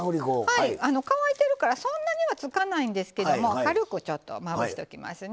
乾いているからそんなにはつかないんですけども軽く、ちょっとまぶしておきます。